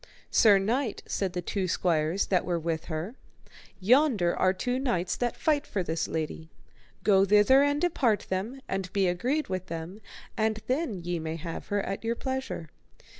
Sir knight, said the two squires that were with her, yonder are two knights that fight for this lady, go thither and depart them, and be agreed with them, and then may ye have her at your pleasure.